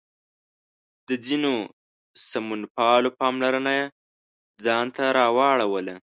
د ځینو سمونپالو پاملرنه یې ځان ته راواړوله.